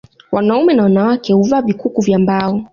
Wanaume na wanawake huvaa vikuku vya mbao